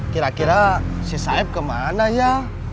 kira kira si saib kemana ya